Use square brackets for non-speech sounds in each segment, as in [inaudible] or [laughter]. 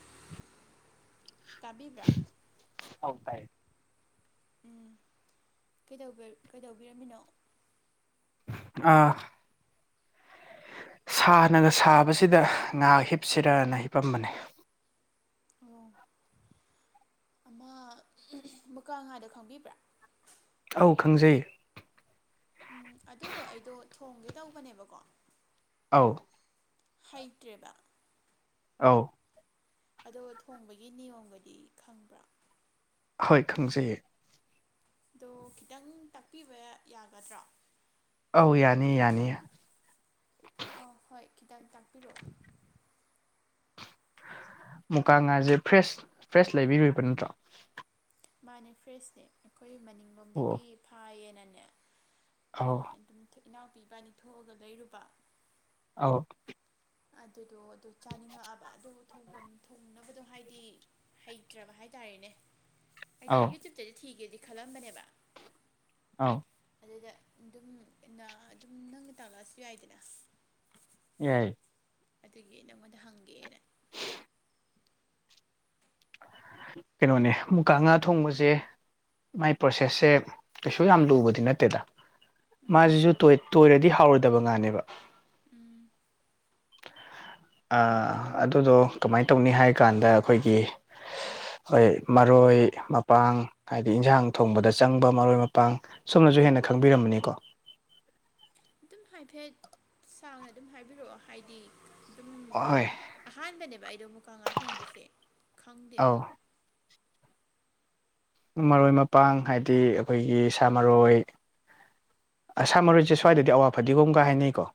[inaudible] ꯇꯥꯕꯤꯕ꯭ꯔꯥ ꯑꯧ ꯇꯥꯏꯌꯦ ꯎꯝ ꯀꯩꯗꯧꯕꯤ ꯀꯩꯗꯧꯕꯤꯔꯝꯃꯤꯅꯣ ꯑꯥ ꯁꯥꯅꯒ ꯁꯥꯕꯖꯤꯗ ꯉꯥꯍꯥꯛ ꯍꯤꯞꯁꯤꯔꯅ ꯍꯤꯞꯄꯝꯕꯅꯤ ꯑꯣ ꯑꯃ ꯃꯨꯀꯥ ꯉꯥꯗꯣ ꯈꯪꯕꯤꯕ꯭ꯔꯥ ꯑꯧ ꯈꯪꯖꯩ ꯎꯝ ꯑꯗꯨꯗꯣ ꯑꯩꯗꯣ ꯊꯣꯡꯒꯦ ꯇꯧꯕꯅꯦꯕꯀꯣ ꯑꯧ ꯍꯩꯇ꯭ꯔꯦꯕ ꯑꯧ ꯑꯗꯣ ꯊꯣꯡꯕꯒꯤ ꯅꯤꯌꯣꯝꯒꯗꯤ ꯈꯪꯕ꯭ꯔꯥ ꯍꯣꯏ ꯈꯪꯖꯩꯌꯦ ꯑꯗꯣ ꯈꯤꯇꯪ ꯇꯥꯛꯄꯤꯕ ꯌꯥ ꯌꯥꯒꯗ꯭ꯔꯣ ꯑꯣ ꯌꯥꯅꯤ ꯌꯥꯅꯤ ꯑꯣ ꯍꯣꯏ ꯈꯤꯇꯪ ꯇꯥꯛꯄꯤꯔꯛꯑꯣ ꯃꯨꯀꯥ ꯉꯥꯁꯦ ꯐ꯭ꯔꯦꯁ ꯐ꯭ꯔꯦꯁ ꯂꯩꯕꯤꯔꯨꯕ ꯅꯠꯇ꯭ꯔꯣ ꯃꯥꯅꯦ ꯐ꯭ꯔꯦꯁꯅꯦ ꯑꯩꯈꯣꯏ ꯃꯅꯤꯡꯂꯣꯝꯗꯒꯤ ꯐꯥꯏꯌꯦꯅ ꯑꯥꯎ ꯏꯅꯥꯎꯄꯤ ꯢꯕꯅꯤ ꯊꯣꯛꯑꯒ ꯂꯩꯔꯨꯕ ꯑꯧ ꯑꯗꯨꯗꯣ ꯑꯗꯨ ꯆꯥꯅꯤꯡꯉꯛꯑꯕ ꯑꯗꯨꯕꯨ ꯊꯣꯡꯐꯝ ꯊꯣꯡꯅꯕꯗꯣ ꯍꯥꯏꯗꯤ ꯍꯩꯇ꯭ꯔꯕ ꯍꯥꯏ ꯇꯔꯦꯅꯦ ꯑꯩꯗꯣ ꯑꯧ ꯌꯨꯇ꯭ꯌꯨꯕꯇꯗꯤ ꯊꯤꯒꯦꯗꯤ ꯈꯜꯂꯝꯕꯅꯦꯕ ꯑꯧ ꯑꯗꯨꯗ ꯑꯗꯨꯝ ꯑꯗꯨꯝ ꯅꯪꯅ ꯇꯥꯛꯂꯛꯑꯁꯨ ꯌꯥꯏꯗꯅ ꯌꯥꯏ ꯑꯗꯨꯒꯤ ꯅꯪꯉꯣꯟꯗ ꯍꯪꯒꯦꯅ ꯀꯩꯅꯣꯅꯦ ꯃꯨꯀꯥ ꯉꯥ ꯊꯣꯡꯕꯁꯦ ꯃꯥꯏ ꯄ꯭ꯔꯣꯁꯦꯁꯁꯦ ꯀꯩꯁꯨ ꯌꯥꯝ ꯂꯨꯕꯗꯤ ꯅꯠꯇꯦꯗ ꯎꯝ ꯃꯥꯁꯤꯁꯨ ꯇꯣꯏꯔꯗꯤ ꯍꯥꯎꯔꯣꯏꯗꯕ ꯉꯥꯅꯦꯕ ꯎꯝ ꯑꯥ ꯑꯗꯨꯗꯣ ꯀꯃꯥꯏꯅ ꯇꯧꯅꯤ ꯍꯥꯏ ꯀꯥꯟꯗ ꯑꯈꯣꯏꯒꯤ [inaudible] ꯍꯣꯏ ꯃꯔꯣꯏ ꯃꯄꯥꯡ ꯍꯥꯏꯗꯤ ꯏꯟꯁꯥꯡ ꯊꯣꯡꯕꯗ ꯆꯪꯕ ꯃꯔꯣꯏ ꯃꯄꯥꯡ ꯁꯨꯝꯅꯁꯨ ꯍꯦꯟꯅ ꯈꯪꯕꯤꯔꯝ ꯅꯤꯀꯣ [inaudible] ꯐꯦꯠ ꯁꯥꯡꯅ ꯑꯗꯨꯝ ꯍꯥꯏꯕꯤꯔꯛꯑꯣ ꯍꯥꯏꯗꯤ ꯑꯗꯨꯝ ꯍꯣꯏ ꯑꯍꯥꯟꯕꯅꯦꯕ ꯑꯩꯗꯣ ꯃꯨꯀꯥ ꯉꯥ ꯊꯣꯡꯗꯏꯁꯦ ꯈꯪꯗꯦꯕ ꯑꯧ ꯃꯔꯣꯏ ꯃꯄꯥꯡ ꯍꯥꯏꯕꯗꯤ ꯑꯈꯣꯏꯒꯤ ꯁꯥ ꯃꯔꯣꯏ ꯁꯥ ꯃꯔꯣꯏꯁꯦ ꯁ꯭ꯋꯥꯏꯗꯗꯤ ꯑꯋꯥ ꯐꯗꯤꯒꯣꯝꯒ ꯍꯥꯏꯅꯩꯀꯣ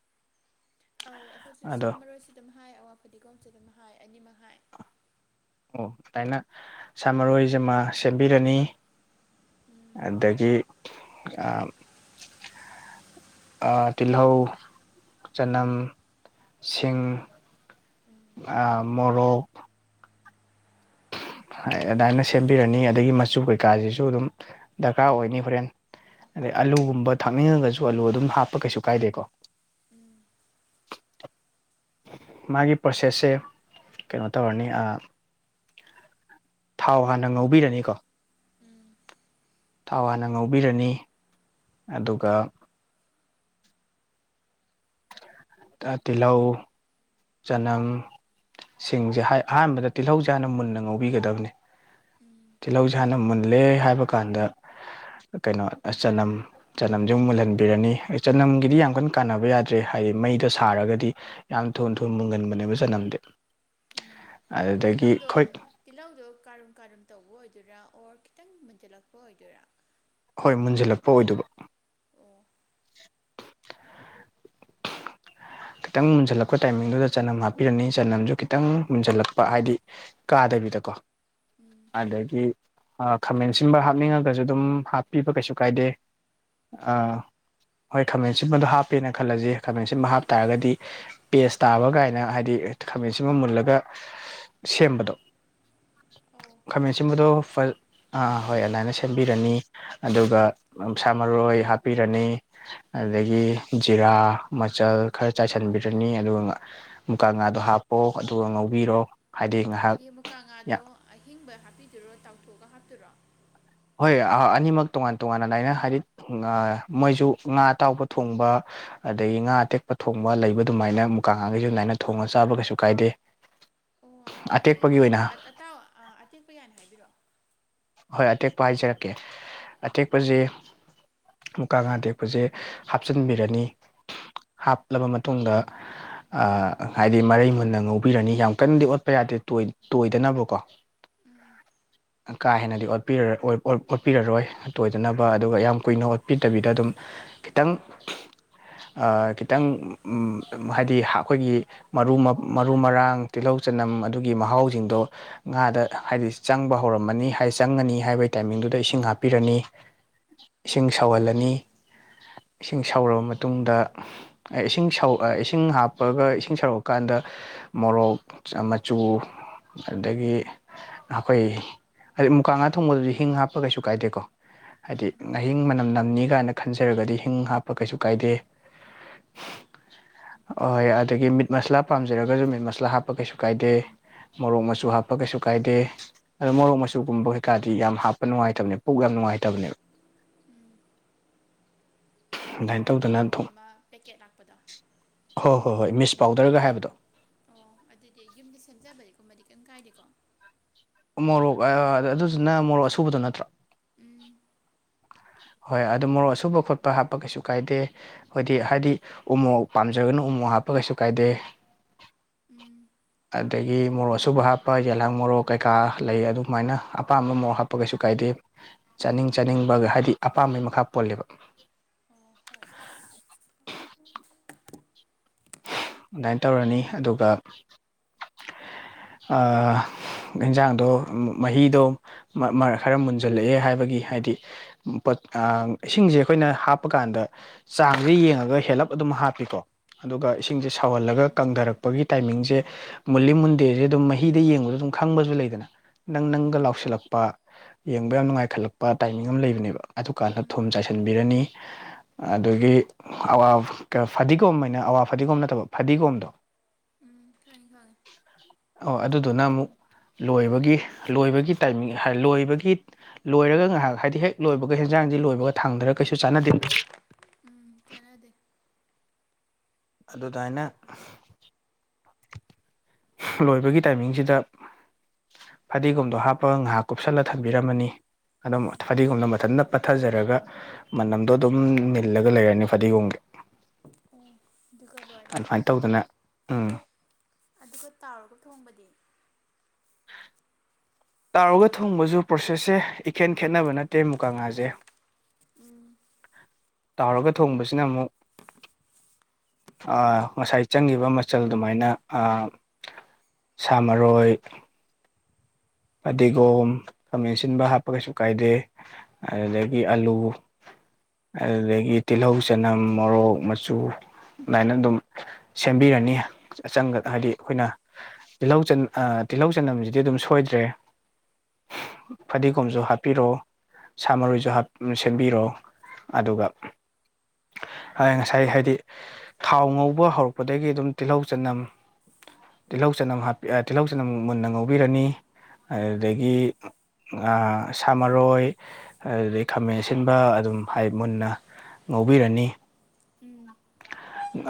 ꯑꯧ ꯑꯈꯣꯏꯁꯨ ꯑꯗꯣ ꯁꯥ ꯃꯔꯣꯏꯁꯨ ꯑꯗꯨꯝ ꯍꯥꯏ ꯑꯋꯥ ꯐꯗꯤꯒꯣꯝꯁꯨ ꯑꯗꯨꯝ ꯍꯥꯏ ꯑꯅꯤꯃꯛ ꯍꯥꯏ ꯑꯣ ꯑꯗꯨꯃꯥꯏꯅ ꯁꯥꯃꯔꯣꯏꯁꯤꯃ ꯁꯦꯝꯕꯤꯔꯅꯤ ꯎꯝ ꯑꯗꯒꯤ ꯑꯥ ꯑꯥ ꯇꯤꯜꯍꯧ ꯆꯅꯝ ꯁꯤꯡ ꯎꯝ ꯎꯝ ꯑꯥ ꯃꯣꯔꯣꯛ ꯑꯗꯗꯥꯏꯅ ꯁꯦꯝꯕꯤꯔꯅꯤ ꯑꯗꯒꯤ ꯃꯆꯨ ꯀꯩꯀꯥꯁꯤꯁꯨ ꯑꯗꯨꯝ ꯗꯔꯀꯥꯔ ꯑꯣꯏꯅꯤ ꯍꯣꯔꯦꯟ ꯑꯗꯩ ꯑꯂꯨꯒꯨꯝꯕ ꯊꯥꯛꯅꯤꯡꯉꯒꯁꯨ ꯑꯂꯨ ꯑꯗꯨꯝ ꯍꯥꯞꯄ ꯀꯩꯁꯨ ꯀꯥꯏꯗꯦꯀꯣ [inaudible] ꯃꯥꯒꯤ ꯄ꯭ꯔꯣꯁꯦꯁꯁꯦ ꯀꯩꯅꯣ ꯇꯧꯔꯅꯤ ꯑꯥ ꯊꯥꯎ ꯍꯥꯟꯅ ꯉꯧꯕꯤꯔꯅꯤꯀꯣ ꯎꯝ ꯊꯥꯎ ꯍꯥꯟꯅ ꯉꯧꯕꯤꯔꯅꯤ ꯑꯗꯨꯒ [inaudible] ꯇ ꯇꯤꯜꯍꯧ ꯆꯅꯝ ꯁꯤꯡꯁꯦ ꯑꯍꯥꯟꯕꯗ ꯇꯤꯜꯍꯧꯁꯥꯅ ꯃꯨꯟꯅ ꯉꯧꯕꯤꯒꯗꯕꯅꯤ ꯎꯝ ꯇꯤꯜꯍꯧꯁꯦ ꯍꯥꯟꯅ ꯃꯨꯜꯂꯦ ꯍꯥꯏꯕ ꯀꯥꯟꯗ ꯀꯩꯅꯣ ꯆꯅꯝ ꯆꯅꯝꯁꯨ ꯃꯨꯜꯍꯟꯕꯤꯔꯅꯤ ꯆꯅꯝꯒꯤꯗꯤ ꯌꯥꯝ ꯀꯟꯅ ꯀꯥꯟꯅꯕ ꯌꯥꯗ꯭ꯔꯦ ꯍꯥꯏꯗꯤ ꯃꯩꯗ ꯁꯥꯔꯒꯗꯤ ꯌꯥꯝ ꯊꯨ ꯊꯨ ꯃꯨꯒꯟꯕꯅꯦꯕ ꯆꯅꯝꯗꯤ ꯎꯝ ꯍꯥꯏꯗꯤ ꯑꯗꯨꯗꯒꯤ ꯇꯤꯜꯍꯧꯗꯣ ꯍꯣꯏ ꯇꯤꯜꯍꯧꯗꯣ ꯀꯥꯔꯨꯝ ꯀꯥꯔꯨꯝ ꯇꯧꯕ ꯑꯣꯏꯗꯣꯏ ꯑꯗꯨꯔ ꯑꯣꯔ ꯈꯤꯇꯪ ꯃꯨꯟꯖꯜꯂꯛꯄ ꯑꯣꯏꯗꯣꯏꯔꯥ ꯍꯣꯏ ꯃꯨꯟꯁꯤꯜꯂꯛꯄ ꯑꯣꯏꯗꯣꯏꯕ ꯑꯣ ꯈꯤꯇꯪ ꯃꯨꯟꯖꯜꯂꯛꯄ ꯇꯥꯏꯃꯤꯡꯗꯨꯗ ꯆꯅꯝ ꯍꯥꯞꯄꯤꯔꯅꯤ ꯆꯅꯝꯁꯨ ꯈꯤꯇꯪ ꯃꯨꯁꯤꯜꯂꯛ ꯄ ꯍꯥꯏꯗꯤ ꯀꯥꯗꯕꯤꯗꯀꯣ ꯎꯝ ꯑꯗꯒꯤ ꯈꯥꯃꯦꯟꯁꯤꯕ ꯍꯥꯞꯅꯤꯡꯉꯒꯁꯨ ꯑꯗꯨꯝ ꯍꯥꯞꯄꯤꯕ ꯀꯩꯁꯨ ꯀꯥꯏꯗꯦ ꯑꯥ ꯍꯣꯏ ꯈꯥꯃꯦꯟꯁꯤꯕꯗꯣ ꯍꯥꯞꯄꯦꯅ ꯈꯜꯂꯁꯤ ꯈꯥꯃꯦꯟꯁꯤꯃ ꯍꯥꯞ ꯇꯥꯔꯒꯗꯤ ꯄꯦꯁ ꯇꯥꯕ ꯀꯥꯏꯅ ꯍꯥꯏꯗꯤ ꯈꯥꯃꯦꯟꯁꯤꯟꯕ ꯃꯨꯜꯂꯒ ꯁꯦꯝꯕꯗꯣ ꯑꯧ ꯈꯪꯉꯦ ꯈꯪꯉꯦ ꯈꯥꯃꯦꯟꯁꯤꯕꯗꯣ ꯍꯣꯏ ꯑꯗꯨꯃꯥꯏꯅ ꯁꯦꯝꯕꯤꯔꯅꯤ ꯎꯝ ꯑꯗꯨꯒ [unintelligible] ꯃꯔꯣꯏ ꯍꯥꯞꯄꯤꯔꯅꯤ ꯑꯗꯨꯗꯒꯤ ꯖꯤꯔꯥ ꯃꯆꯜ ꯈꯔ ꯆꯥꯏꯁꯤꯟꯕꯤꯔꯅꯤ ꯑꯗꯨꯒ ꯃꯨꯀ ꯉꯥꯗꯣ ꯍꯥꯞꯄꯣ ꯑꯗꯨꯒ ꯉꯧꯕꯤꯔꯣ ꯍꯥꯏꯗꯤ ꯃꯨꯀꯥ ꯉꯥꯗꯣ ꯑꯍꯤꯡꯕ ꯍꯥꯞꯄꯤꯗꯔꯣ ꯇꯥꯎꯊꯣꯛꯑꯒ ꯍꯥꯞꯇꯔꯣ ꯍꯣꯏ ꯑꯅꯤꯃꯛ ꯇꯣꯉꯥꯟ ꯇꯣꯉꯥꯟꯅ ꯗꯥꯏꯅ ꯍꯥꯏꯗꯤ ꯃꯣꯏꯁꯨ ꯉꯥ ꯑꯇꯥꯎꯕ ꯊꯣꯡꯕ ꯑꯗꯒꯤ ꯉꯥ ꯑꯇꯦꯛꯄ ꯊꯣꯡꯕ ꯂꯩꯕ ꯑꯗꯨꯃꯥꯏꯅ ꯃꯨꯀꯥꯡꯉꯥꯡꯈꯩꯁꯨ ꯑꯗꯨꯃꯥꯏꯅ ꯊꯣꯡꯉꯒ ꯆꯥꯕ ꯀꯩꯁꯨ ꯀꯥꯏꯗꯦ ꯑꯣ ꯑꯗꯨꯗꯤ ꯑꯇꯦꯛꯄꯒꯤ ꯀꯩꯅꯣ ꯑꯣꯏꯅ ꯑꯇꯥꯎ ꯑꯇꯦꯛꯄ ꯌꯥꯅꯤ ꯍꯥꯏꯕꯤꯔꯛꯑꯣ ꯍꯣꯏ ꯑꯇꯦꯛꯄ ꯍꯥꯏꯖꯔꯛꯀꯦ ꯑꯇꯦꯛꯄꯁꯦ ꯃꯨꯀꯥ ꯉꯥ ꯇꯦꯛꯄꯁꯦ ꯍꯥꯞꯆꯤꯟꯕꯤꯔꯅꯤ ꯍꯥꯞꯂꯕ ꯃꯇꯨꯡꯗ ꯍꯥꯏꯗꯤ ꯃꯔꯩ ꯃꯨꯟꯅ ꯉꯧꯕꯤꯔꯅꯤ ꯌꯥꯝ ꯀꯟꯅꯗꯤ ꯑꯣꯠꯄ ꯌꯥ ꯗꯦ ꯇꯣꯏ ꯇꯣꯏꯗꯅꯕꯀꯣ ꯎꯝ ꯀꯥ ꯍꯦꯟꯅꯗꯤ ꯑꯣꯠꯄꯤꯔ ꯑꯣꯠ ꯑꯣꯠ ꯑꯣꯠꯄꯤꯔꯔꯣꯏ ꯇꯣꯏꯗꯅꯕ ꯑꯗꯨꯒ ꯌꯥꯝ ꯀꯨꯏꯅ ꯑꯣꯠꯄꯤꯗꯕꯤꯗ ꯑꯗꯨꯝ ꯈꯤꯇꯪ ꯈꯤꯇꯪ ꯍꯥꯏꯗꯤ ꯑꯩꯈꯣꯏꯒꯤ ꯃꯔꯨ ꯃꯔꯨ ꯃꯔꯥꯡ ꯇꯤꯜꯍꯧ ꯆꯅꯝ ꯑꯗꯨꯒꯤ ꯃꯍꯥꯎꯁꯤꯡꯗꯣ ꯉꯥꯗ ꯍꯥꯏꯗꯤ ꯆꯪꯕ ꯍꯧꯔꯝꯃꯅꯤ ꯆꯪꯉꯅꯤ ꯍꯥꯏꯕꯒꯤ ꯇꯥꯏꯃꯤꯡꯗꯨꯗ ꯏꯁꯤꯡ ꯍꯥꯞꯄꯤꯔꯅꯤ ꯏꯁꯤꯡ ꯁꯧꯍꯜꯂꯅꯤ ꯏꯁꯤꯡ ꯁꯧꯔꯕ ꯃꯇꯨꯡꯗ ꯏꯁꯤꯡ ꯁꯧ ꯏꯁꯤꯡ ꯍꯥꯞꯄꯒ ꯏꯁꯤꯡ ꯁꯧꯔꯛꯑꯀꯥꯟꯗ ꯃꯣꯔꯣꯛ ꯃꯆꯨ ꯑꯗꯒꯤ ꯑꯩꯈꯣꯏ ꯍꯥꯏꯗꯤ ꯃꯨꯀꯥ ꯉꯥ ꯊꯣꯡꯕꯗꯨꯗꯤ ꯍꯤꯡ ꯍꯥꯞꯄ ꯀꯩꯁꯨ ꯀꯥꯏꯗꯦꯀꯣ ꯍꯥꯏꯗꯤ ꯎꯝ ꯑꯍꯤꯡ ꯃꯅꯝ ꯅꯝꯅꯤ ꯀꯥꯏꯅ ꯈꯟꯖꯔꯒꯗꯤ ꯍꯤꯡ ꯍꯥꯞꯄ ꯀꯩꯁꯨ ꯀꯥꯏꯗꯦ [inaudible] ꯑꯣꯏ ꯑꯗꯨꯗꯒꯤ ꯃꯤꯠ ꯃꯁꯂꯥ ꯄꯥꯝꯖꯔꯒꯁꯨ ꯃꯤꯠ ꯃꯁꯂꯥ ꯍꯥꯞꯄ ꯀꯩꯁꯨ ꯀꯥꯏꯗꯦ ꯃꯣꯔꯣꯛ ꯃꯆꯨ ꯍꯥꯞꯄ ꯀꯩꯁꯨ ꯀꯥꯏꯗꯦ ꯑꯣ ꯃꯣꯔꯣꯛ ꯃꯆꯨ [unintelligible] ꯀꯩꯀꯥꯗꯤ ꯌꯥꯝ ꯍꯥꯞꯄ ꯅꯨꯡꯉꯥꯏꯇꯕꯅꯦ ꯄꯨꯛ ꯌꯥꯝ ꯅꯨꯡꯉꯥꯏꯇꯕꯅꯦꯕ [inaudible] ꯍꯥꯏꯗꯤ ꯑꯗꯨꯃꯥꯏꯅ ꯃꯣꯔꯣꯛ ꯇꯧꯗꯅ ꯃꯆꯨ ꯊꯨꯝ ꯑꯃ ꯄꯦꯛꯀꯦꯠ ꯂꯥꯛꯄꯗꯣ ꯍꯣꯏ ꯍꯣꯏ ꯍꯣꯏ ꯃꯤꯁ ꯄꯥꯎꯗꯔꯒ ꯍꯥꯏꯕꯗꯣ ꯑꯣ ꯑꯗꯨꯗꯤ ꯑꯩ ꯌꯨꯝꯗ ꯁꯦꯝꯖꯕꯗꯤꯀꯨꯝꯕꯗꯤ ꯀꯦꯝ ꯀꯥꯏꯗꯦꯀꯣ ꯃꯣꯔꯣꯛ ꯑꯥ ꯑꯗꯨꯗꯨꯅ ꯃꯣꯔꯣꯛ ꯑꯁꯨꯕꯗꯣ ꯅꯠꯇ꯭ꯔꯣ ꯎꯝ ꯍꯣꯏ ꯑꯗꯨꯗ ꯃꯣꯔꯣꯛ ꯑꯁꯨꯕ ꯈꯣꯠꯄ ꯍꯥꯞꯄ ꯀꯩꯁꯨ ꯀꯥꯏꯗꯦ ꯍꯣꯏꯗꯤ ꯍꯥꯏꯗꯤ ꯎꯃꯣꯔꯣꯛ ꯄꯥꯝꯖꯒꯅ ꯎ ꯎ ꯝꯣꯔꯣꯛ ꯍꯥꯞꯄ ꯀꯩꯁꯨ ꯀꯥꯏꯗꯦ [inaudible] ꯑꯗ ꯑꯗꯒꯤ ꯃꯣꯔꯣꯛ ꯑꯁꯨꯕ ꯍꯥꯞꯄ ꯌꯦꯂꯥꯡ ꯃꯣꯔꯣꯛ ꯀꯩꯀꯥ ꯂꯩ ꯑꯗꯨꯃꯥꯏꯅ ꯑꯄꯥꯝꯕ ꯃꯣꯔꯣꯛ ꯍꯥꯞꯄ ꯀꯩꯁꯨ ꯀꯥꯏꯗꯦ ꯆꯥꯅꯤꯡ ꯎꯝ ꯆꯥꯅꯤꯡꯕ ꯍꯥꯏꯗꯤ ꯑꯄꯥꯝꯕꯩ ꯃꯈꯥ ꯄꯣꯜꯂꯦꯕ ꯑꯣ ꯍꯣꯏ ꯑꯗꯨꯃꯥꯏꯅ ꯇꯧꯔꯅꯤ ꯑꯗꯨꯒ [inaudible] ꯏꯟꯖꯥꯡꯗꯣ ꯃꯍꯤꯗꯣ ꯃꯔ ꯃꯔ ꯍꯥꯏꯔꯞ ꯃꯨꯟꯖꯜꯂꯛꯑꯦ ꯍꯥꯏꯕꯒꯤ ꯍꯥꯏ ꯍꯥꯏꯗꯤ ꯄꯠ ꯏꯁꯤꯡꯁꯦ ꯑꯩꯈꯣꯏꯅ ꯍꯥꯞꯄꯀꯥꯟꯗ ꯆꯥꯡꯁꯦ ꯌꯦꯡꯉꯒ ꯍꯦꯜꯂꯞ ꯑꯗꯨꯝ ꯍꯥꯞꯄꯤꯀꯣ ꯑꯗꯨꯒ ꯏꯁꯤꯡꯁꯦ ꯁꯧꯍꯜꯂꯒ ꯎꯝ ꯀꯪꯊꯔꯛꯄꯒꯤ ꯇꯥꯏꯃꯤꯡꯖꯦ ꯃꯨꯜꯂꯤ ꯃꯨꯟꯗꯦꯁꯦ ꯑꯗꯨꯝ ꯃꯍꯤꯗ ꯌꯦꯡꯕꯗ ꯑꯗꯨꯝ ꯈꯪꯕꯁꯨ ꯂꯩꯗꯅ ꯅꯪ ꯅꯪꯒ ꯎꯝ ꯂꯥꯎꯁꯤꯜꯂꯛꯄ ꯌꯦꯡꯕ ꯌꯥꯝ ꯅꯨꯡꯉꯥꯏꯈꯠꯂꯛꯄ ꯇꯥꯏꯃꯤꯡ ꯑꯃ ꯂꯩꯕꯅꯦꯕ ꯑꯗꯨꯀꯥꯟꯗ ꯊꯨꯝ ꯎꯝ ꯆꯥꯏꯁꯤꯟꯕꯤꯔꯅꯤ ꯑꯗꯨꯗꯒꯤ ꯑꯋꯥ ꯐꯗꯤꯒꯣꯝ ꯍꯥꯏꯅ ꯑꯋꯥ ꯐꯗꯤꯒꯣꯝ ꯅꯠꯇꯕ ꯐꯗꯤꯒꯣꯝꯗꯣ ꯎꯝ ꯈꯡꯉꯦ ꯈꯡꯉꯦ ꯑꯣ ꯑꯗꯨꯗꯨꯅ ꯑꯃꯨꯛ ꯂꯣꯏꯕꯒꯤ ꯂꯣꯏꯕꯒꯤ ꯇꯥꯏꯃꯤꯡ ꯂꯣꯏꯕꯒꯤ ꯂꯣꯏꯔꯒ ꯉꯥꯏꯍꯥꯛ ꯍꯥꯏꯗꯤ ꯍꯦꯛ ꯂꯣꯏꯕꯒ ꯍꯦꯟꯖꯥꯡ ꯥꯑꯦꯟꯖꯥꯡꯗꯤ ꯂꯣꯏꯕꯒ ꯊꯥꯡꯗꯔꯒ ꯀꯩꯁꯨ ꯆꯥꯟꯅꯗꯦ ꯎꯝ ꯆꯅꯗꯦ ꯑꯗꯨꯗꯥꯏꯅ ꯂꯣꯏꯕꯒꯤ ꯇꯥꯏꯃꯤꯡꯁꯤꯗ ꯐꯗꯤꯒꯣꯝꯗꯣ ꯍꯥꯞꯄꯒ ꯉꯥꯏꯍꯥꯛ ꯀꯨꯞꯁꯜꯂ ꯊꯝꯕꯤꯔꯝꯃꯅꯤ ꯑꯗꯨ ꯑꯃꯨꯛ ꯎꯝ ꯐꯗꯤꯒꯣꯝꯅ ꯃꯊꯟꯇ ꯄꯠꯊꯖꯔꯒ ꯃꯅꯝꯗꯣ ꯑꯗꯨꯝ ꯅꯤꯜꯂꯒ ꯂꯩꯔꯅꯤ ꯐꯗꯤꯒꯣꯝꯒꯤ ꯎꯝ ꯑꯗꯨꯃꯥꯏꯅ ꯇꯧꯗꯅ ꯎꯝ ꯑꯗꯨꯒ ꯇꯥꯎꯔꯒ ꯊꯣꯡꯕꯗꯤ ꯇꯥꯎꯔꯒ ꯑꯃꯨꯛꯀ ꯉꯥꯛ ꯊꯣꯡꯕꯁꯨ ꯄ꯭ꯔꯣꯁꯦꯁꯁꯦ ꯏꯈꯦꯟ ꯈꯦꯠꯅꯕ ꯅꯠ ꯇꯦ ꯃꯨꯀꯉꯥꯁꯦ ꯎꯝ ꯇꯥꯎꯔꯒ ꯊꯣꯡꯕꯁꯤꯅ ꯑꯃꯨꯛ ꯑ ꯉꯁꯥꯏ ꯆꯪꯉꯤꯕ ꯃꯆꯜ ꯑꯗꯨꯃꯥꯏꯅ ꯑ ꯁꯥ ꯃꯔꯣꯏ ꯐꯗꯤꯒꯣꯝ ꯈꯥꯃꯦꯟꯑꯁꯤꯟꯕ ꯍꯥꯞꯄ ꯀꯩꯁꯨ ꯀꯥꯏꯗꯦ ꯑꯗꯨꯗꯒꯤ ꯑꯥꯂꯨ ꯑꯗꯨꯗꯒꯤ ꯇꯤꯜꯍꯧ ꯆꯅꯝ ꯃꯣꯔꯣꯛ ꯃꯆꯨ ꯑꯗꯨꯃꯥꯏꯅ ꯑꯗꯨꯝ ꯁꯦꯝꯕꯤꯔꯅꯤ ꯆꯪꯒ ꯍꯥꯏꯗꯤ ꯑꯩꯈꯣꯏꯅ ꯇꯤꯜꯍꯧ ꯆ ꯑ ꯇꯤꯜꯍꯧ ꯆꯅꯝꯁꯤꯗꯤ ꯑꯗꯨꯝ ꯁꯣꯏꯗ꯭ꯔꯦ [inaudible] ꯐꯗꯤꯒꯣꯝꯁꯨ ꯍꯥꯞꯄꯤꯔꯣ ꯁꯥ ꯃꯔꯣꯏꯁꯨ ꯍꯥꯞ ꯁꯦꯝꯕꯤꯔꯣ ꯑꯗꯨꯒ ꯑ ꯉꯁꯥꯏ ꯍꯥꯏꯗꯤ ꯊꯥꯎ ꯉꯧꯕ ꯍꯧꯔꯛꯄꯗꯒꯤ ꯑꯗꯨꯝ ꯇꯤꯜꯍꯧ ꯆꯅꯝ ꯇꯤꯜꯍꯧ ꯆꯅꯝ ꯍꯥꯞ ꯑ ꯇꯤꯜꯍꯧ ꯆꯅꯝ ꯃꯨꯟꯅ ꯉꯧꯕꯤꯔꯅꯤ ꯎꯝ ꯑꯗꯨꯗꯒꯤ ꯑ ꯁꯥꯃꯔꯣꯏ ꯑꯗꯨꯗꯒꯤ ꯈꯥꯃꯦꯟ ꯑꯁꯤꯟꯕ ꯑꯗꯨꯝ ꯍꯥꯏ ꯃꯨꯟꯅ ꯉꯧꯕꯤꯔꯅꯤ ꯎꯝ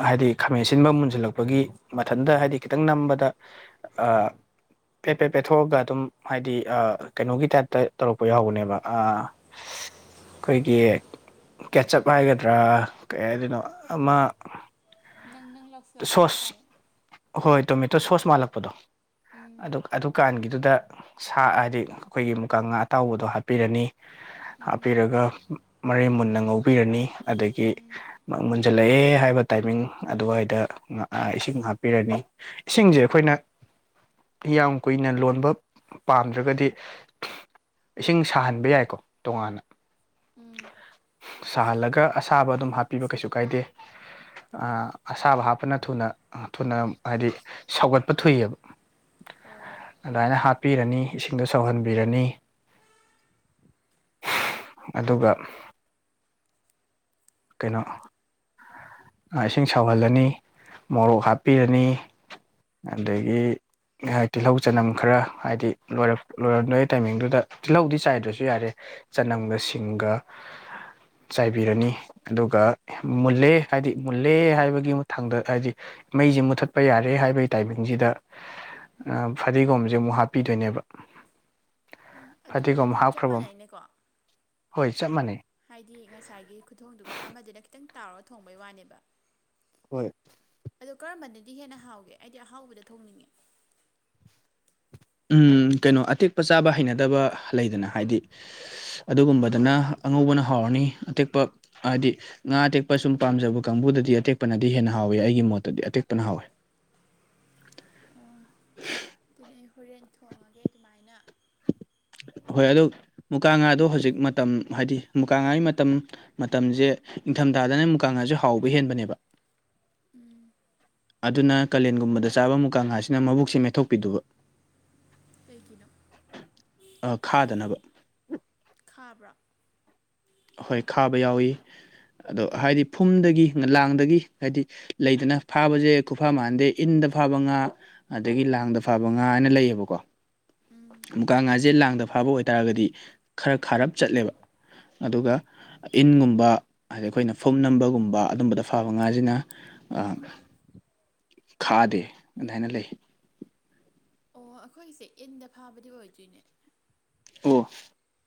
ꯍꯥꯏꯗꯤ ꯈꯥꯃꯦꯟ ꯑꯁꯤꯟꯕ ꯃꯨꯟꯁꯤꯜꯂꯛꯄꯒꯤ ꯃꯊꯟꯗ ꯍꯥꯏꯗꯤ ꯈꯤꯇꯪ ꯅꯝꯕꯗ ꯑ ꯐꯦ ꯐꯦ ꯄꯦꯊꯣꯛꯑꯒ ꯑꯗꯨꯝ ꯍꯥꯏꯗꯤ ꯑ ꯀꯩꯅꯣꯒꯤ ꯇꯥꯏꯞꯇ ꯇꯧꯔꯛꯄ ꯌꯥꯎꯕꯅꯦꯕ ꯑ ꯑꯩꯈꯣꯏꯒꯤ ꯀꯦꯠꯆꯞ ꯍꯥꯏꯒꯗ꯭ꯔꯥ ꯀꯩ ꯍꯥꯏꯗꯣꯏꯅꯣ ꯑꯃ ꯅꯪ ꯅꯪ ꯂꯧꯁꯤꯜꯂꯛꯄ ꯁꯣꯁ ꯍꯥꯏꯇꯥꯔꯦ ꯍꯣꯏ ꯇꯣꯃꯦꯇꯣ ꯑꯃ ꯁꯣꯁ ꯃꯥꯜꯂꯛꯄꯗꯣ ꯎꯝ ꯑꯗꯨ ꯑꯗꯨꯀꯥꯟꯒꯤ ꯑꯗꯨꯗ ꯁꯥ ꯍꯥꯏꯗꯤ ꯑꯩꯈꯣꯏꯒꯤ ꯃꯨꯀ ꯉꯥ ꯑꯇꯥꯎꯕꯗꯣ ꯍꯥꯞꯄꯤꯔꯅꯤ ꯎꯝ ꯍꯥꯞꯄꯤꯔꯒ ꯃꯔꯩ ꯃꯨꯟꯅ ꯉꯧꯕꯤꯔꯅꯤ ꯑꯗꯒꯤ ꯃꯃꯨꯟ ꯃꯨꯟꯖꯤꯜꯂꯛꯑꯦ ꯍꯥꯏꯕ ꯇꯥꯏꯃꯤꯡ ꯑꯗꯨꯋꯥꯏꯗ ꯑ ꯏꯁꯤꯡ ꯍꯥꯞꯄꯤꯔꯅꯤ ꯏꯁꯤꯡꯁꯦ ꯎꯝ ꯑꯩꯈꯣꯏꯅ ꯌꯥꯝ ꯀꯨꯏꯅ ꯂꯣꯟꯕ ꯄꯥꯝꯗ꯭ꯔꯒꯗꯤ ꯏꯁꯤꯡ ꯁꯥꯍꯟꯕ ꯌꯥꯏꯀꯣ ꯇꯣꯉꯥꯟꯅ ꯎꯝ ꯁꯥꯍꯜꯂꯒ ꯑꯁꯥꯕ ꯑꯗꯨꯝ ꯍꯥꯞꯄꯤꯕ ꯀꯩꯁꯨ ꯀꯥꯏꯗꯦ ꯑ ꯑꯁꯥꯕ ꯍꯥꯞꯄꯅ ꯊꯨꯅ ꯊꯨꯅ ꯍꯥꯏꯗꯤ ꯁꯧꯒꯠꯄ ꯊꯨꯏꯌꯦꯕ ꯑꯣ ꯑꯗꯨꯃꯥꯏꯅ ꯍꯥꯠꯄꯤꯔꯅꯤ ꯏꯁꯤꯡꯗꯣ ꯁꯧꯍꯟꯕꯤꯔꯅꯤ [inaudible] ꯑꯗꯨꯒ ꯀꯩꯅꯣ ꯑ ꯏꯁꯤꯡ ꯁꯧꯍꯜꯂꯅꯤ ꯃꯣꯔꯣꯛ ꯍꯥꯞꯄꯤꯔꯅꯤ ꯑꯗꯒꯤ ꯍꯥꯢ ꯇꯤꯜꯍꯧ ꯆꯅꯝ ꯈꯔ ꯍꯥꯏꯗꯤ ꯂꯣꯏꯔꯝ ꯂꯣꯢꯔꯝꯗꯣꯏ ꯇꯥꯏꯃꯤꯡꯗꯨꯗ ꯇꯤꯜꯍꯧꯗꯤ ꯆꯥꯏꯗ꯭ꯔꯁꯨ ꯌꯥꯔꯦ ꯆꯅꯝꯒ ꯁꯤꯡꯒ ꯆꯥꯏꯕꯤꯔꯅꯤ ꯑꯗꯨꯒ ꯃꯨꯜꯂꯦ ꯍꯥꯏꯗꯤ ꯃꯨꯜꯂꯦ ꯍꯥꯏꯕꯒꯤ ꯃꯊꯥꯡꯗ ꯍꯥꯏꯗꯤ ꯃꯩꯁꯦ ꯃꯨꯠꯊꯠꯄ ꯌꯥꯔꯦ ꯍꯥꯏꯕꯒꯤ ꯇꯥꯏꯃꯤꯡꯁꯤꯗ ꯑꯥ ꯐꯗꯤꯒꯣꯝꯖꯦ ꯑꯃꯨꯛ ꯍꯥꯞꯄꯤꯗꯣꯏꯅꯦꯕ ꯎꯝ ꯑꯗꯨꯝ ꯐꯗꯤꯒꯣꯝ ꯍꯥꯏꯗꯤ ꯆꯞ ꯍꯥꯞꯈ꯭ꯔꯕ ꯃꯥꯟꯅꯩꯅꯦꯀꯣ ꯍꯣꯏ ꯆꯞ ꯃꯥꯟꯅꯩ ꯗꯤ ꯉꯁꯥꯏꯒꯤ ꯈꯨꯊꯣꯡꯗꯨꯒ ꯑꯃꯗꯨꯅ ꯈꯤꯇꯪ ꯇꯥꯎꯔ ꯊꯣꯡꯕꯩ ꯋꯥꯅꯦꯕꯥ ꯍꯣꯏ ꯑꯗꯣ ꯀꯔꯝꯕꯅꯗꯤ ꯍꯦꯟꯅ ꯍꯥꯎꯒꯦ ꯑꯩꯗꯤ ꯑꯍꯥꯎꯕꯗ ꯊꯣꯡꯅꯤꯡꯉꯦ ꯎꯝ ꯀꯩꯅꯣ ꯑꯇꯦꯛꯄ ꯆꯥꯕ ꯍꯩꯅꯗꯕ ꯂꯩꯗꯅ ꯍꯥꯏꯗꯤ ꯑꯗꯨꯒꯨꯝꯕꯗꯅ ꯑꯉꯧꯕꯅ ꯍꯥꯎꯔꯅꯤ ꯑꯇꯦꯛꯄ ꯍꯥꯏꯗꯤ ꯉꯥ ꯑꯇꯦꯛꯄ ꯁꯨꯝ ꯄꯥꯝꯖꯕ ꯀꯥꯡꯕꯨꯗꯗꯤ ꯑꯇꯦꯛꯄꯅꯗꯤ ꯍꯦꯟꯅ ꯍꯥꯎ ꯍꯥꯎꯋꯦ ꯑꯩꯒꯤ ꯃꯣꯠꯇꯗꯤ ꯑꯇꯦꯛꯄꯅ ꯍꯥꯎꯋꯦ ꯑꯣ ꯑꯗꯨ ꯑꯩ ꯍꯣꯔꯦꯟ ꯊꯣꯡꯉꯒꯦ ꯑꯗꯨꯃꯥꯏꯅ ꯍꯣꯏ ꯑꯗꯨ ꯃꯨꯀꯥ ꯉꯥꯗꯣ ꯍꯧꯖꯤꯛ ꯃꯇꯝ ꯍꯥꯏꯗꯤ ꯃꯨꯀꯥ ꯉꯥꯒꯤ ꯃꯇꯝ ꯃꯇꯝꯖꯦ ꯏꯊꯝꯊꯥꯗꯅ ꯃꯨꯛꯀꯥꯉꯥꯖꯦ ꯍꯥꯎꯕ ꯍꯦꯟꯕꯅꯦꯕꯥ ꯎꯝ ꯑꯗꯨꯅ ꯀꯥꯂꯦꯟꯒꯨꯝꯕꯗ ꯆꯥꯕ ꯃꯨꯀꯥ ꯉꯥꯁꯤꯅ ꯃꯕꯨꯛꯁꯦ ꯃꯦꯠꯊꯣꯛꯄꯤꯗꯨꯕ ꯀꯩꯒꯤꯅꯣ ꯑꯥ ꯈꯥꯗꯅꯕ ꯈꯥꯕ꯭ꯔꯥ ꯍꯣꯏ ꯈꯥꯕ ꯌꯥꯎꯌꯤ ꯑꯗꯣ ꯍꯥꯏꯗꯤ ꯐꯨꯝꯗꯒꯤ ꯂꯥꯡꯗꯒꯤ ꯍꯥꯏꯗꯤ ꯂꯩꯗꯅ ꯐꯥꯕꯖꯦ ꯈꯨꯐꯥ ꯃꯥꯟꯗꯦ ꯏꯟꯗ ꯏꯟꯗ ꯐꯥꯕ ꯉꯥ ꯑꯗꯒꯤ ꯂꯥꯡꯗ ꯐꯥꯕ ꯉꯥ ꯍꯥꯏꯅ ꯂꯩꯌꯦꯕꯀꯣ ꯎꯝ ꯃꯨꯀꯥ ꯉꯥꯖꯦ ꯂꯥꯡꯗ ꯐꯥꯕ ꯑꯣꯏꯇꯥꯔꯒꯗꯤ ꯈꯔ ꯈꯥꯔꯞ ꯆꯠꯂꯦꯕ ꯑꯗꯨꯒ ꯏꯟꯒꯨꯝꯕ ꯍꯥꯏꯗꯤ ꯑꯈꯣꯏꯅ ꯐꯨꯝ ꯅꯝꯕꯒꯨꯝꯕ ꯑꯗꯨꯝꯕꯗ ꯐꯥꯕ ꯉꯥꯖꯤꯅ ꯑꯥ ꯈꯥꯗꯦ ꯑꯗꯥꯏꯅ ꯂꯩ ꯑꯣ ꯑꯈꯣꯏꯁꯦ ꯏꯟꯗ ꯐꯥꯕꯗꯤ ꯑꯣꯏꯗꯣꯏꯅꯦ ꯑꯣ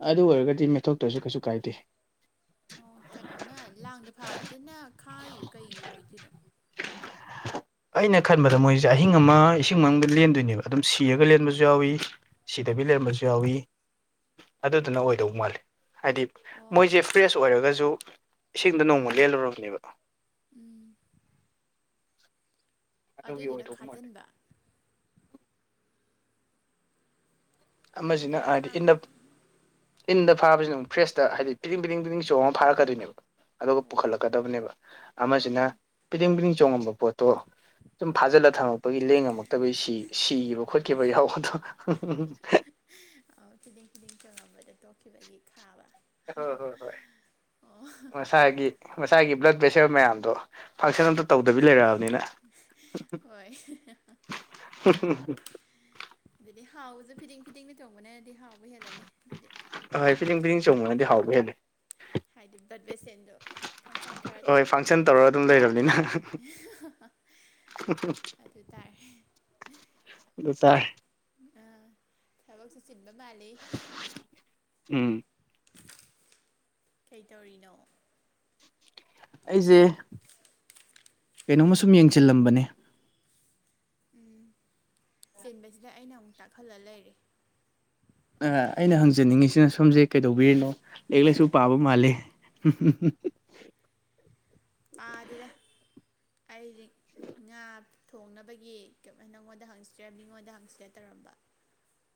ꯑꯗꯨ ꯑꯣꯏꯔꯒꯗꯤ ꯃꯦꯠꯊꯣꯛꯇ꯭ꯔꯖꯨ ꯀꯩꯁꯨ ꯀꯥꯏꯗꯦ ꯑꯣ ꯀꯩꯅꯣꯅ ꯂꯥꯡꯗ ꯐꯥꯕꯗꯨꯅ ꯈꯥꯔꯤꯗꯣ ꯀꯩꯒꯤ ꯑꯣꯏꯗꯣꯏꯅꯣ ꯑꯩꯅ ꯈꯟꯕꯗ ꯃꯣꯏꯖꯦ ꯑꯍꯤꯡ ꯑꯃ ꯏꯁꯤꯡ ꯃꯅꯨꯡꯗ ꯂꯦꯟꯗꯣꯏꯅꯦꯕ ꯑꯗꯨꯝ ꯁꯤꯔꯒ ꯂꯦꯟꯕꯖꯨ ꯌꯥꯎꯌꯤ ꯁꯤ ꯗꯕꯤ ꯂꯩꯔꯝꯕꯖꯨ ꯌꯥꯎꯏ ꯑꯗꯨꯗꯨꯅ ꯑꯣ ꯑꯣꯏꯗꯧ ꯃꯥꯜꯂꯦ ꯍꯥꯏꯗꯤ ꯑꯣ ꯃꯣꯏꯖꯦ ꯐ꯭ꯔꯦꯁ ꯑꯣꯏꯔꯒꯖꯨ ꯏꯁꯤꯡꯗ ꯅꯣꯡꯃ ꯂꯦꯜꯂꯨꯔꯕꯅꯦꯕ ꯎꯝ ꯑꯗꯨꯒꯤ ꯑꯗꯨꯗꯨꯅ ꯑꯣꯏꯗꯧꯕ ꯃꯥꯜꯂꯤ ꯈꯥꯖꯤꯟꯕ ꯑꯃꯖꯤꯅ ꯑꯗꯨꯗꯨꯅ ꯍꯥꯏꯗꯤ ꯏꯟꯗ ꯈꯥꯕꯒꯤ ꯏꯟꯗ ꯐꯥꯕꯖꯤꯅ ꯃꯨꯛ ꯐ꯭ꯔꯦꯁꯇ ꯍꯥꯏꯗꯤ ꯄꯤꯗꯤꯡ ꯄꯤꯗꯤꯡ ꯄꯤꯗꯤꯡ ꯆꯣꯡꯉ ꯐꯥꯔꯛꯀꯗꯣꯏꯅꯦꯕ ꯑꯗꯨꯒ ꯑꯣ ꯄꯨꯈꯠꯂꯛꯀꯗꯕꯅꯦꯕ ꯑꯃꯖꯤꯅ ꯎꯝ ꯄꯤꯗꯤꯡ ꯄꯤꯗꯤꯡ ꯆꯣꯡꯉꯝꯕ ꯄꯣꯠꯇꯣ ꯁꯨꯝ ꯐꯥꯖꯤꯜꯂ ꯊꯝꯃꯛꯄꯒꯤ ꯂꯦꯡꯉꯝꯃꯛꯇꯕꯒꯤ ꯁꯤ ꯁꯤꯈꯤꯕ ꯈꯣꯠꯈꯤꯕ ꯌꯥꯎꯕꯗꯣ ꯑꯣ ꯐꯤꯗꯤꯡ ꯐꯤꯗꯤꯡ ꯆꯣꯡꯉꯝꯕꯗꯣ ꯇꯣꯛꯈꯤꯕꯒꯤ ꯈꯥꯕ ꯍꯣ ꯍꯣꯏ ꯍꯣꯏ ꯑꯣ ꯃꯁꯥꯒꯤ ꯃꯁꯥꯒꯤ ꯕ꯭ꯂꯠ ꯄꯦꯁꯔ ꯃꯌꯥꯝꯗꯣ ꯐꯪꯁꯟ ꯑꯝꯇ ꯇꯧꯗꯕꯤ ꯂꯩꯔꯛꯑꯕꯅꯤꯅꯥ ꯍꯣꯏ ꯍꯨꯝ ꯍꯨꯝ ꯗꯤ ꯍꯥꯎꯕꯖꯨ ꯐꯤꯗꯤꯡ ꯐꯤꯗꯤꯡꯒ ꯆꯣꯡꯕꯅꯗꯤ ꯍꯥꯎꯕ ꯍꯦꯜꯂꯅꯤ ꯑꯗꯨꯗꯤ ꯍꯣꯏ ꯐꯤꯗꯤꯡ ꯐꯤꯗꯤꯡ ꯆꯣꯡꯕꯅꯗꯤ ꯍꯥꯎꯕ ꯍꯦꯜꯂꯤ ꯍꯥꯏꯗꯤ ꯕ꯭ꯂꯠ ꯚꯦꯁꯦꯟꯗꯦ ꯐꯪꯁꯟ ꯈꯔ ꯍꯣꯏ ꯐꯪꯁꯟ ꯇꯧꯔꯤꯕꯅꯤꯅꯀꯣ ꯇꯧꯔꯒ ꯑꯗꯨꯝ ꯂꯩꯔꯕꯅꯤꯅ ꯍꯨ ꯍ ꯍ ꯑꯗꯨ ꯇꯥꯔꯦ ꯇꯥꯔꯦ ꯑ ꯊꯕꯛꯁꯨ ꯆꯤꯟꯕ ꯃꯥꯜꯂꯤ ꯎꯝ ꯀꯩꯇꯧꯔꯤꯅꯣ ꯑꯩꯖꯦ ꯀꯩꯅꯣꯝꯃ ꯁꯨꯝ ꯌꯦꯡꯖꯤꯜꯂꯝꯕꯅꯦ ꯎꯝ ꯆꯤꯟꯕꯁꯤꯗ ꯑꯩꯅ ꯑꯃꯨꯛ ꯇꯥꯛꯍꯜꯂ ꯂꯩꯔꯦ ꯑ ꯑꯩꯅ ꯍꯪꯖꯅꯤꯡꯉꯤꯁꯤꯅ ꯁꯣꯝꯁꯦ ꯀꯩꯗꯧꯕꯤꯔꯤꯅꯣ ꯂꯥꯏꯔꯤꯛ ꯂꯥꯏꯁꯨ ꯄꯥꯕ ꯃꯥꯜꯂꯦ [unintelligible] ꯄꯗꯦꯗ ꯑꯩꯗꯤ ꯉꯥ ꯊꯣꯡꯅꯕꯒꯤ ꯅꯪꯉꯣꯟꯗ ꯍꯪꯁꯤꯔ ꯃꯤꯉꯣꯟꯗ ꯍꯪꯁꯤꯔ ꯇꯧꯔꯝꯕ